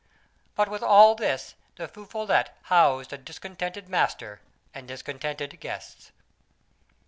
But, with all this, the Feu Follette housed a discontented master and discontented guests.